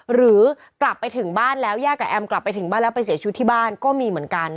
หรือกลับไปถึงบ้านแล้วย่ากับแอมกลับไปถึงบ้านแล้วไปเสียชีวิตที่บ้านก็มีเหมือนกัน